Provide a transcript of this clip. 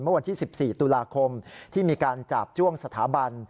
เมื่อวันที่๑๔ตุลาคมที่มีการจาบจ้วงสถาบัน